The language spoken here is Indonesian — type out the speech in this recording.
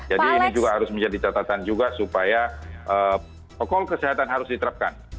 jadi ini juga harus menjadi catatan juga supaya pokok kesehatan harus diterapkan